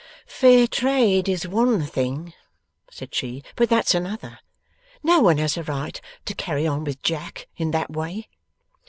'Fair trade is one thing,' said she, 'but that's another. No one has a right to carry on with Jack in THAT way.